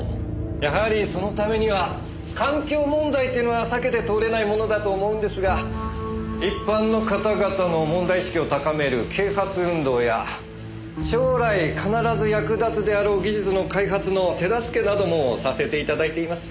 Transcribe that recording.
やはりそのためには環境問題っていうのは避けて通れないものだと思うんですが一般の方々の問題意識を高める啓発運動や将来必ず役立つであろう技術の開発の手助けなどもさせて頂いています。